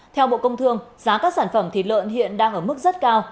theo bộ công thương giá các sản phẩm thịt lợn hiện đang ở mức rất cao